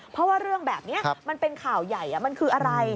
เพราะว่าเรื่องแบบนี้มันเป็นข่าวใหญ่มันคืออะไร